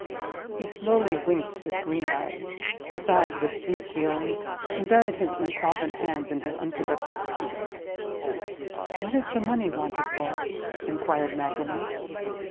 He slowly winked his green eye; sighed with deep feeling; and buried his insolvent hands in his unproductive pockets. "What is the money wanted for?" inquired Magdalen.